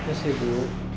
terima kasih bu